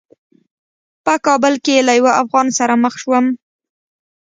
په کابل کې له یوه افغان سره مخ شوم.